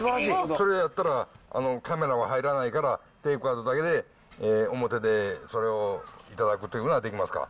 それやったら、カメラは入らないから、テイクアウトだけで、表でそれを頂くというのはできますか？